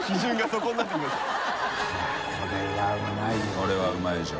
これはうまいよ。